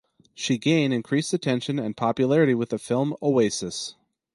She gain increased attention and popularity with the film "Oasis".